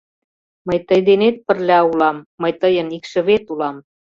Мый тый денет пырля улам, мый тыйын икшывет улам.